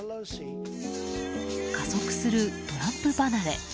加速するトランプ離れ。